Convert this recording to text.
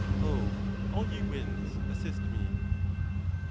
Oh! all ye winds, assist me!